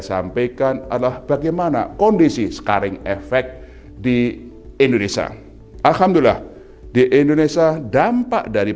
sampaikan adalah bagaimana kondisi sekarang efek di indonesia alhamdulillah di indonesia dampak dari